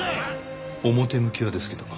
表向きはですけど。